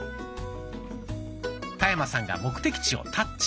田山さんが目的地をタッチ。